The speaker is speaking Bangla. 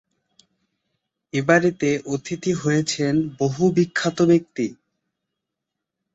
এ বাড়িতে অতিথি হয়েছেন বহু বিখ্যাত ব্যক্তি।